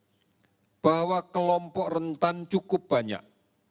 kita harus mengingat bahwa kelompok rentan cukup banyak